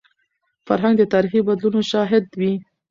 فرهنګ د تاریخي بدلونونو شاهد وي.